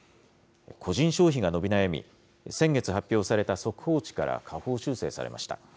個人消費が伸び悩み、先月発表された速報値から下方修正されました。